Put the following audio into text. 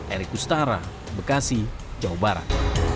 erik kustara bekasi jawa barat